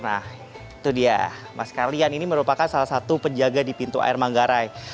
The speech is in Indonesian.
nah itu dia mas karlian ini merupakan salah satu penjaga di pintu air manggarai